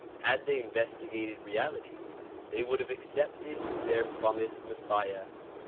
Had they investigated reality they would have accepted their promised Messiah.